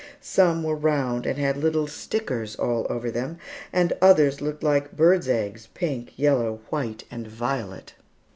Some were round and had little "stickers" all over them, and others looked like birds' eggs, pink, yellow, white, and violet.